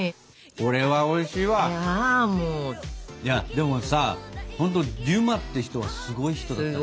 でもさほんとデュマって人はすごい人だったね。